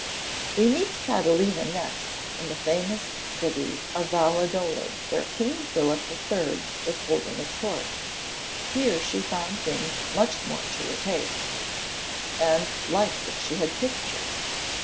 We meet Catalina next in the famous city of Valladolid, where King Philip III. was holding his court. Here she found things much more to her taste, and like what she had pictured.